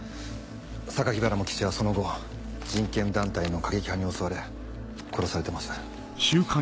原茂吉はその後人権団体の過激派に襲われ殺されてます。